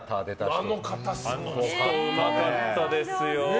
あの方すごかったですね。